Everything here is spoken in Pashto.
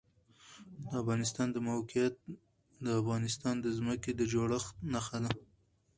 د افغانستان د موقعیت د افغانستان د ځمکې د جوړښت نښه ده.